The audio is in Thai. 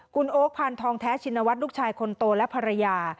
คุณโอ๊คพานทองแท้ชินวัฒน์ลูกชายคนโตและภรรยา